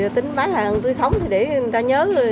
tính bán hàng tươi sống để người ta nhớ